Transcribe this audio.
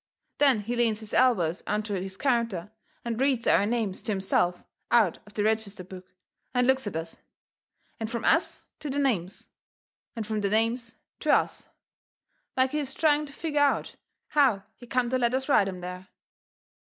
Then he leans his elbows onto his counter and reads our names to himself out of the register book, and looks at us, and from us to the names, and from the names to us, like he is trying to figger out how he come to let us write 'em there.